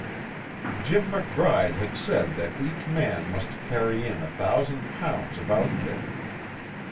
Jim McBride had said that each man must carry in a thousand pounds of outfit.